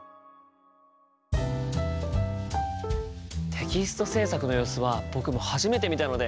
テキスト制作の様子は僕も初めて見たので興味深かったです。